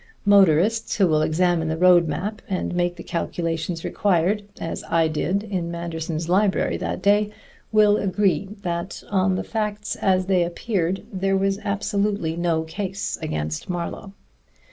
Motorists who will examine the road map and make the calculations required, as I did in Manderson's library that day, will agree that on the facts as they appeared there was absolutely no case against Marlowe.